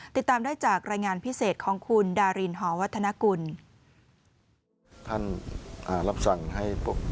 ติดตามได้จากรายงานพิเศษของคุณดารินหอวัฒนกุลท่านอ่ารับสั่งให้ปุ๊บ